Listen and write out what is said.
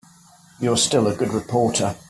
You're still a good reporter.